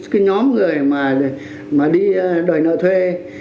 cái nhóm người mà đi đòi nợ thuê